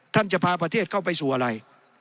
จะพาประเทศเข้าไปสู่อะไร